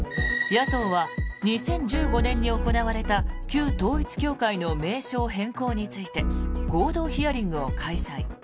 野党は２０１５年に行われた旧統一教会の名称変更について合同ヒアリングを開催。